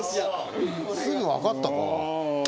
すぐ分かったか。